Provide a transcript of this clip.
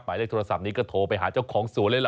หมายเลขโทรศัพท์นี้ก็โทรไปหาเจ้าของสวนเลย